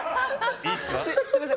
すみません